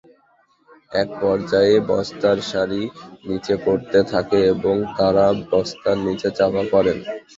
একপর্যায়ে বস্তার সারি নিচে পড়তে থাকে এবং তাঁরা বস্তার নিচে চাপা পড়েন।